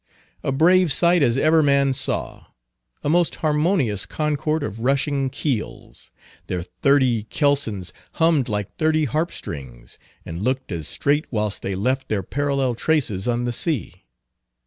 A brave sight as ever man saw. A most harmonious concord of rushing keels. Their thirty kelsons hummed like thirty harp strings, and looked as straight whilst they left their parallel traces on the sea.